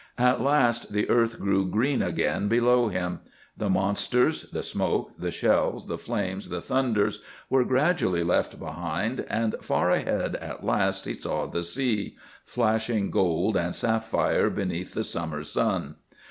At last the earth grew green again below him. The monsters, the smoke, the shells, the flames, the thunders, were gradually left behind, and far ahead at last he saw the sea, flashing gold and sapphire beneath the summer sun.